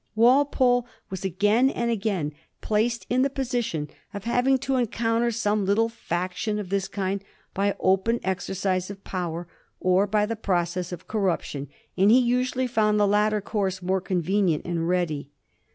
Walpole was again and again placed in the position of having to encounter some little faction of this kind by open exercise of power or by the process of corruption, and he usually found the latter course more convenient and ready.